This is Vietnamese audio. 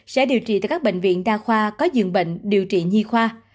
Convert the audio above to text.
sẽ điều trị tại các bệnh viện đa khoa có dường bệnh điều trị nhi khoa